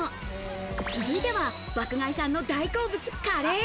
続いては爆買いさんの大好物カレー。